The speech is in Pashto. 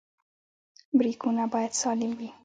برېکونه باید سالم وي.